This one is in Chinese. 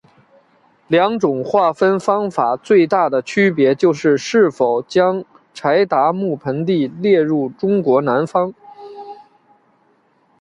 两种划分方法最大的区别就是是否将柴达木盆地列入中国南方。